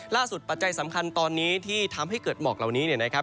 ปัจจัยสำคัญตอนนี้ที่ทำให้เกิดหมอกเหล่านี้เนี่ยนะครับ